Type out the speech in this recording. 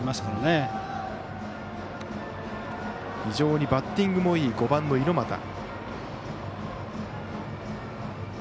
非常にバッティングもいい５番の猪俣。